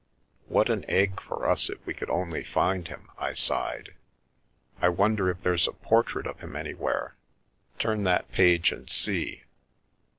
"What an egg for us if we could only find him!" I sighed. " I wonder if there's a portrait of him any where. Turn that page and see."